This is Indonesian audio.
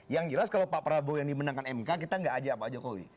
yang jelas kalau pak prabowo yang dimenangkan mk kita nggak ajak pak jokowi